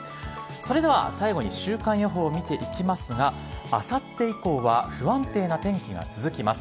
それでは最後に週間予報を見ていきますが、あさって以降は不安定な天気が続きます。